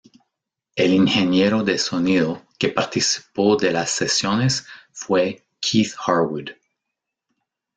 El ingeniero de sonido que participó de las sesiones fue Keith Harwood.